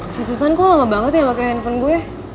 si susan kok lama banget yang pake handphone gue